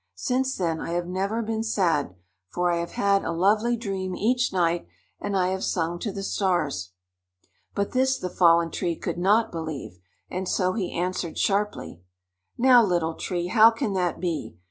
Since then I have never been sad, for I have had a lovely dream each night, and I have sung to the Stars." But this the Fallen Tree could not believe, and so he answered sharply: "Now, Little Tree, how can that be?